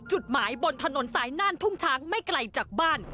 จุดหมายบนถนนสายน่านทุ่งช้างไม่ไกลจากบ้าน